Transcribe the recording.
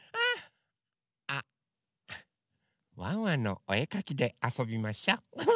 あ「ワンワンのおえかき」であそびましょ。